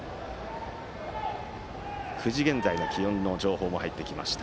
９時現在の気温の情報も入ってきました。